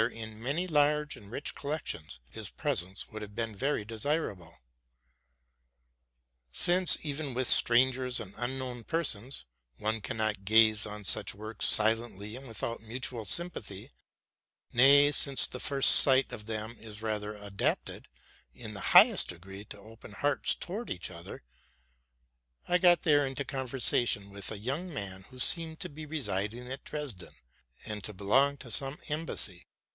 in many large and rich collections, his presence would have been very desirable. Since, even with strangers and unknown persons, one can not gaze on such works silently and without mutual sympathy, —nay, since the first sight of them is rather adapted, in the highest degree, to open hearts towards each other, I there got into conversation with a young man who seemed to be resid ing at Dresden, and to belong to some embassy.